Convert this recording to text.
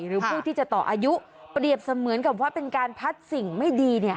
หรือผู้ที่จะต่ออายุเปรียบเสมือนกับว่าเป็นการพัดสิ่งไม่ดี